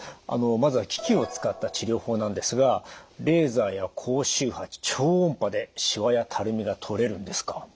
まずは機器を使った治療法なんですがレーザーや高周波超音波でしわやたるみがとれるんですか？